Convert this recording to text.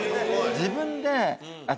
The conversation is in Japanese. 自分で私